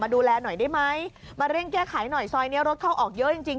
ดูแลหน่อยได้ไหมมาเร่งแก้ไขหน่อยซอยนี้รถเข้าออกเยอะจริงจริง